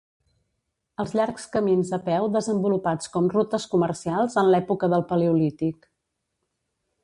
Els llargs camins a peu desenvolupats com rutes comercials en l'època del Paleolític.